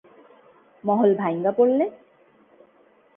মহল ভাইঙা পড়লে?